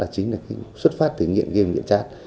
chính là xuất phát thử nghiệm nghiệm nghiệm trát